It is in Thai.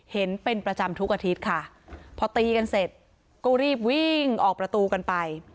เห็นเป็นประจำทุกอาทิตย์ค่ะพอตีกันเสร็จก็รีบวิ่งออกประตูกันไป